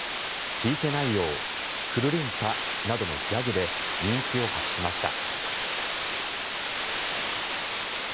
聞いてないよォくるりんぱっなどのギャグで人気を博しました。